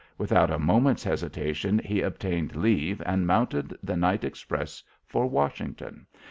Without a moment's hesitation he obtained leave and mounted the night express for Washington.